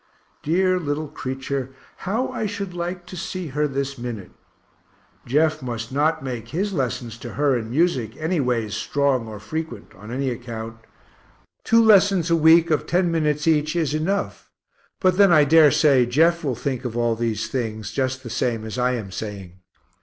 Dear little creature, how I should like to see her this minute. Jeff must not make his lessons to her in music anyways strong or frequent on any account two lessons a week, of ten minutes each, is enough but then I dare say Jeff will think of all these things, just the same as I am saying.